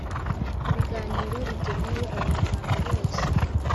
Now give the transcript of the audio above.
Ibiganiro bigenewe Abanyarwanda bose